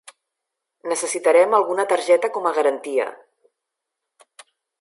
Necessitarem alguna targeta com a garantia.